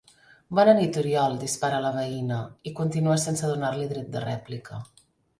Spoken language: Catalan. Bona nit, Oriol —dispara la veïna, i continua sense donar-li dret de rèplica—.